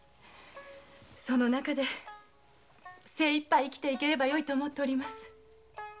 その中で精いっぱい生きていければよいと思っております。